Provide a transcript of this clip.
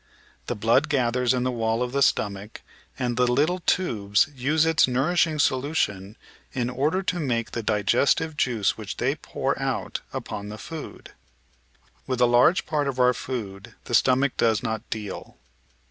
The blood gathers in the wall of the stomach, and the little tubes use its nourishing solution in order to make the digestive juice which they pour out upon the food. With a large part of our food the stomach does not deal.